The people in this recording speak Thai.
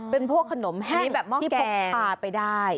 เป็นพวกขนมแห้งแบบที่พกพาไปได้